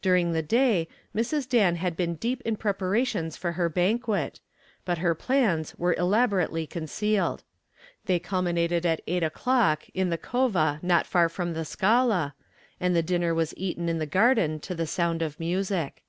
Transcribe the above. During the day Mrs. Dan had been deep in preparations for her banquet, but her plans were elaborately concealed. They culminated at eight o'clock in the Cova not far from the Scala, and the dinner was eaten in the garden to the sound of music.